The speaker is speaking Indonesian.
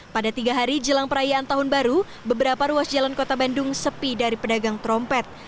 pada tiga hari jelang perayaan tahun baru beberapa ruas jalan kota bandung sepi dari pedagang trompet